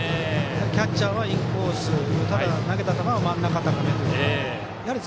キャッチャーはインコース投げた球は真ん中あたり。